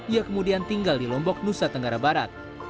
ia kemudian tinggal di lombok nusa tenggara barat